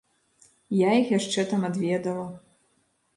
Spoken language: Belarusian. Я іх яшчэ там адведала.